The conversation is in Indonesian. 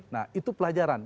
nah itu pelajaran